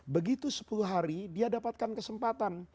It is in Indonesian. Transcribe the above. begitu sepuluh hari dia dapatkan kesempatan